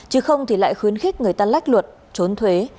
chứ không thì lại khuyến khích người ta lách luật trốn thuế